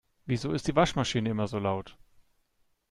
Wieso ist die Waschmaschine immer so laut?